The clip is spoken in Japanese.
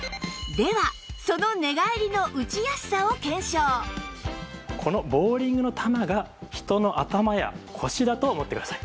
ではそのこのボウリングの球が人の頭や腰だと思ってください。